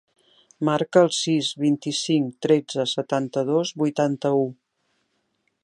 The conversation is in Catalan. Marca el sis, vint-i-cinc, tretze, setanta-dos, vuitanta-u.